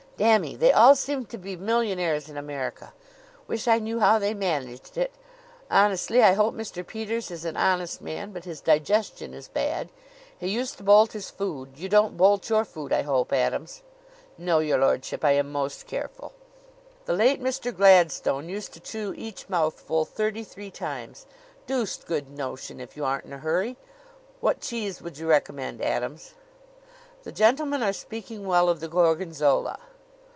"Damme! They all seem to be millionaires in America. Wish I knew how they managed it. Honestly, I hope. Mr. Peters is an honest man, but his digestion is bad. He used to bolt his food. You don't bolt your food, I hope, Adams?" "No, your lordship; I am most careful." "The late Mr. Gladstone used to chew each mouthful thirty three times. Deuced good notion if you aren't in a hurry. What cheese would you recommend, Adams?" "The gentlemen are speaking well of the Gorgonzola."